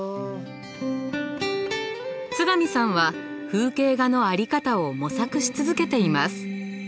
津上さんは風景画の在り方を模索し続けています。